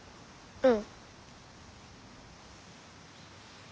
うん。